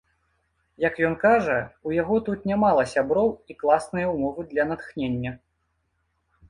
Як ён кажа, у яго тут нямала сяброў і класныя ўмовы для натхнення.